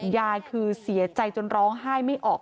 ยายคือเสียใจจนร้องไห้ไม่ออก